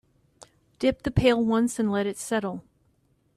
Dip the pail once and let it settle.